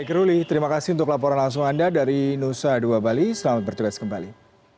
ekeruli terima kasih untuk laporan langsung anda dari nusa dua bali selamat berjogas kembali